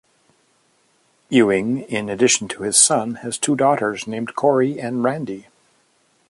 Ewing, in addition to his son, has two daughters named Corey and Randi.